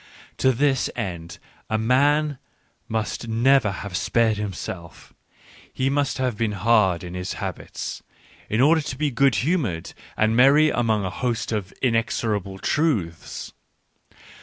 To this end, a man must never have spared himself, he must have been hard in his habits, in order to be good humoured and merry among a host of inexorable truths.